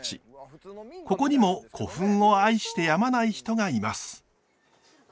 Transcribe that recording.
ここにも古墳を愛してやまない人がいます。